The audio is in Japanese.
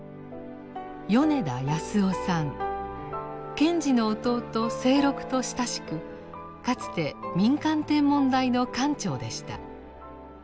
賢治の弟清六と親しくかつて民間天文台の館長でした。